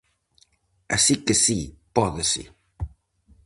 Así que si: pódese.